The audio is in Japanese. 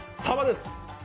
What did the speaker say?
さばです。